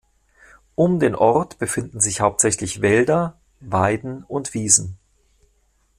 Um den Ort befinden sich hauptsächlich Wälder, Weiden und Wiesen.